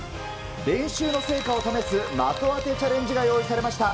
練習の成果を試す的当てチャレンジが用意されました。